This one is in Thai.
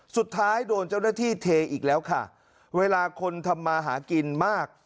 สุดท้ายโดนเจ้าหน้าที่เทอีกแล้วค่ะเวลาคนทำมาหากินมาก